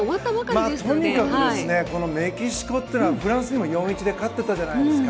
とにかく、メキシコというのはフランスに４−１で勝ってたじゃないですか。